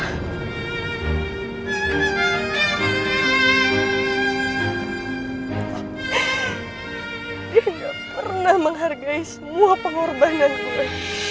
dia gak pernah menghargai semua pengorbanan gue